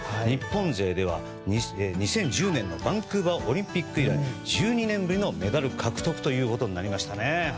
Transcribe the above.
日本勢では２０１０年のバンクーバーオリンピック以来１２年ぶりのメダル獲得となりましたね。